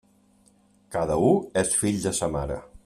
Cada u és fill de sa mare.